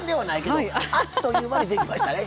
アハハハハ！あっという間にできましたね。